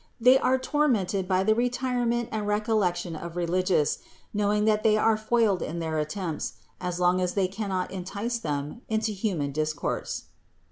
They are tormented by the re tirement and recollection of religious, knowing that they are foiled in their attempts, as long as they cannot entice them into human discourse.